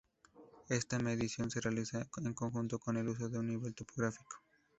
Esta medición se realiza en conjunto con el uso de un nivel topográfico.